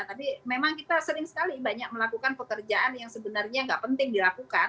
tapi memang kita sering sekali banyak melakukan pekerjaan yang sebenarnya nggak penting dilakukan